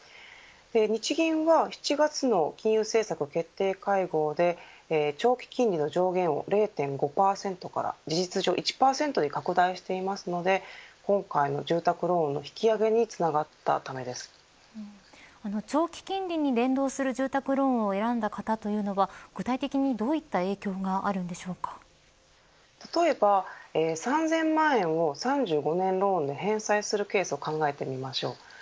日銀は７月の金融政策決定会合で長期金利の上限を０．５％から事実上１％に拡大していますので今回の住宅ローンの引き上げに長期金利に連動する住宅ローンを選んだ方というのは具体的にどういった影響が例えば３０００万円を３５年ローンで返済するケースを考えてみましょう。